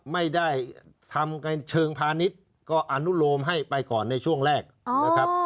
ไม่ได้ทำกันเชิงพาณิชย์ก็อนุโลมให้ไปก่อนในช่วงแรกนะครับ